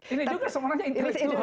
ini juga semuanya intelektual